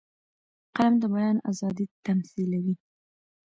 قلم د بیان آزادي تمثیلوي